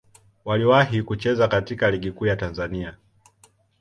Waliwahi kucheza katika Ligi Kuu ya Tanzania.